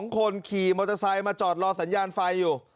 ๒คนขี่มอเตอร์ไซค์มาจอดรอสัญญาณไฟอยู่